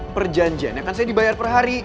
perjanjian yang kan saya dibayar per hari